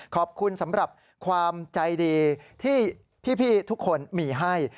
ขอบคุณสำหรับความใจดีที่พี่ทุกคนมีให้